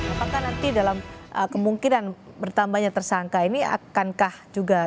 apakah nanti dalam kemungkinan bertambahnya tersangka ini akankah juga